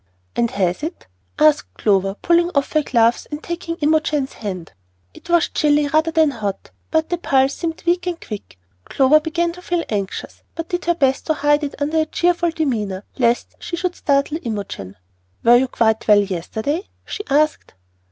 "And has it?" asked Clover, pulling off her gloves and taking Imogen's hand. It was chilly rather than hot, but the pulse seemed weak and quick. Clover began to feel anxious, but did her best to hide it under a cheerful demeanor lest she should startle Imogen. "Were you quite well yesterday?" she asked.